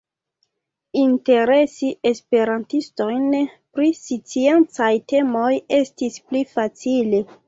Interesi esperantistojn pri sciencaj temoj estis pli facile.